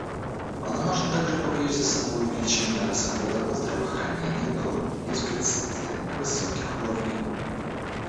Она может также повлечь за собой увеличение расходов на здравоохранение до беспрецедентно высоких уровней.